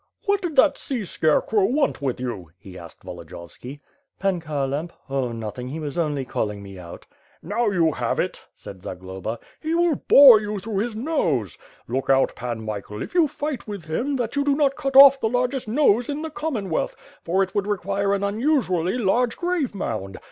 "What did that sea scarecrow want with you?'' he asked Volodiyovski. "Pan Kharlamp? Oh, nothing, he was only calling me out." "Now you have it," said Zagloba. "He will bore you through with his nose. Look out. Pan Michael, if you fight with him, that you do not cut off the largest nose in the Commonwealth, for it would require an unusually large grave mound?